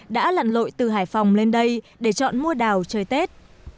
đã lặn lội từ hải phòng lên đây để chọn mua đào chơi tết